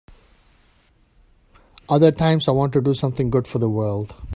Other times I want to do something good for the world.